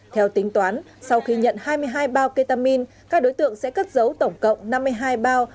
theo tính toán sau khi nhận hai mươi hai bao ketamin các đối tượng sẽ cất giấu tổng cộng năm mươi hai bao